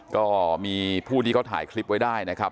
ก็มีผู้ที่เขาถ่ายคลิปไว้ได้นะครับ